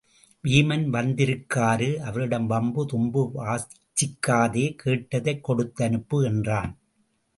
வீமன் வந்திருக்காரு அவரிடம் வம்பு தும்பு வச்சிக்காதே கேட்டதைக் கொடுத்தனுப்பு என்றான்.